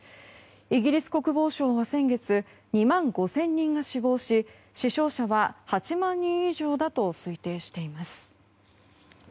イギリス国防省は先月２万５０００人が死亡し死傷者は８万人以上だと推定しています。